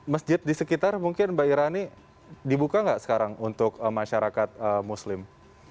masjid di sekitar mungkin mbak irani dibuka nggak sekarang untuk masyarakat muslim